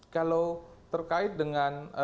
kalau terkait dengan